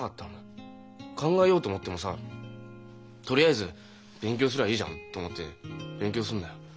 考えようと思ってもさ「とりあえず勉強すりゃいいじゃん」と思って勉強するんだよ。